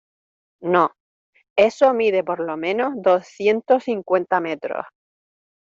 no. eso mide por lo menos doscientos cincuenta metros .